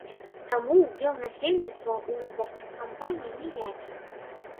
Таму ўдзел насельніцтва ў выбарчых кампаній ніякі.